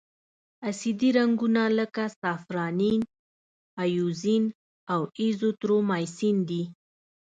اسیدي رنګونه لکه سافرانین، ائوزین او ایریترومایسین دي.